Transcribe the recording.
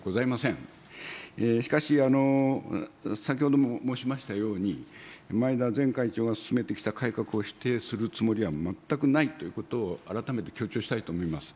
しかし、先ほども申しましたように、前田前会長が進めてきた改革を否定するつもりは全くないということを改めて強調したいと思います。